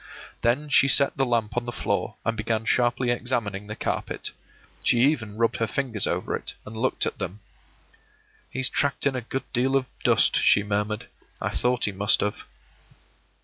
Then she set the lamp on the floor, and began sharply examining the carpet. She even rubbed her fingers over it, and looked at them. “He's tracked in a good deal of dust,” she murmured. “I thought he must have.